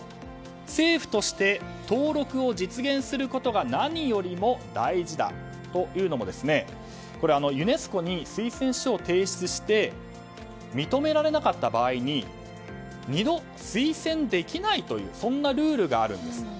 政府として登録を実現することが何よりも大事だと。というのもユネスコに推薦書を提出して認められなかった場合に二度推薦できないというルールがあるんです。